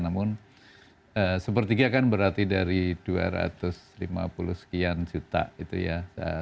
namun sepertiga kan berarti dari dua ratus lima puluh sekian juta itu ya